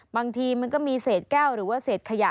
บางทีมันก็มีเศษแก้วหรือว่าเศษขยะ